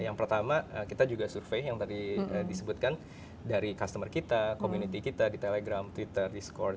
yang pertama kita juga survei yang tadi disebutkan dari customer kita community kita di telegram twitter discore